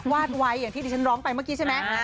วาดไว้อย่างที่ดิฉันร้องไปเมื่อกี้ใช่ไหม